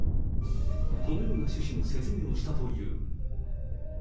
このような趣旨の説明をしたという。